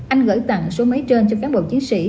anh gửi tặng số máy trên cho cán bộ chiến sĩ